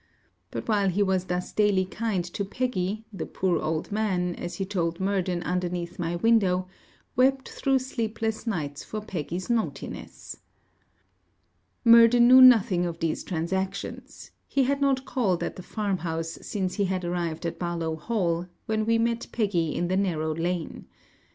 But while he was thus daily kind to Peggy, the poor old man, as he told Murden underneath my window, wept through sleepless nights for Peggy's naughtiness. Murden knew nothing of these transactions. He had not called at the farm house since he arrived at Barlowe Hall, when we met Peggy in the narrow lane.